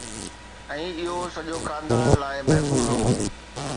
۽ اهو سڄو خاندان لاء محفوظ هو